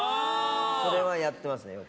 それはやってますね、よく。